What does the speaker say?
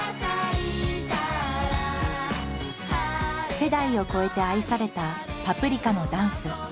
世代を超えて愛された「パプリカ」のダンス。